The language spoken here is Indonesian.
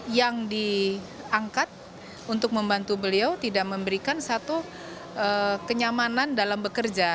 bagaimana mungkin presiden dapat bekerja dengan baik apabila yang diangkat untuk membantu beliau tidak memberikan satu kenyamanan dalam bekerja